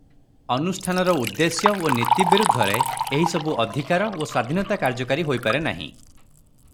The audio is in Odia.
ଅନୁଷ୍ଠାନର ଉଦ୍ଦେଶ୍ୟ ଓ ନୀତି ବିରୁଦ୍ଧରେ ଏହିସବୁ ଅଧିକାର ଓ ସ୍ୱାଧୀନତା କାର୍ଯ୍ୟକାରୀ ହୋଇପାରେ ନାହିଁ ।